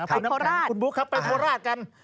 คุณบุ๊คครับไปโทราชกัน